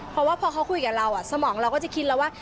เพราะว่าพอเขาคุยกับเราสมองเราก็จะคิดแล้วว่า